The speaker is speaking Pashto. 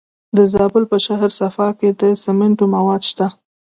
د زابل په شهر صفا کې د سمنټو مواد شته.